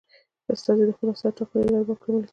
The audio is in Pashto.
استازي د خپلو استازو د ټاکنې له لارې واک عملي کوي.